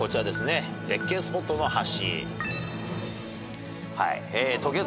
絶景スポットの橋。